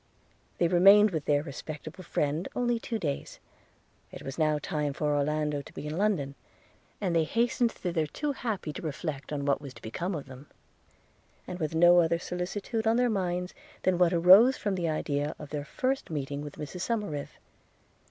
They remained with their respectable friend only two days. It was now time for Orlando to be in London, and they hastened thither, too happy to reflect on what was to become of them, and with no other solicitude on their minds, than what arose from the idea of their first meeting with Mrs Somerive.